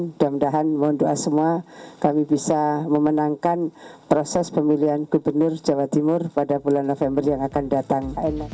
dan mudah mudahan mohon doa semua kami bisa memenangkan proses pemilihan gubernur jawa timur pada bulan november yang akan datang